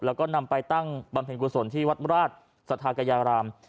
แล้วก็นำไปตั้งบรรเภณกุโสนที่วัดมราชสัทธากายาราม